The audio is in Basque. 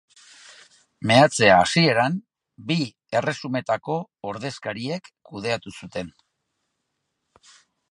Meatzea, hasieran, bi erresumetako ordezkariek kudeatu zuten.